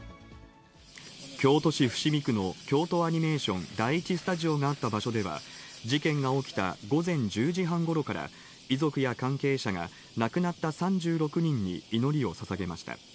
京都市伏見区の京都アニメーション第１スタジオがあった場所では、事件が起きた午前１０時半ごろから、遺族や関係者が亡くなった３６人に祈りをささげました。